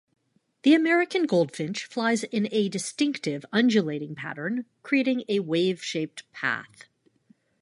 The American goldfinch flies in a distinctive undulating pattern, creating a wave-shaped path.